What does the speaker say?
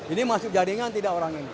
ini masuk jaringan tidak orang ini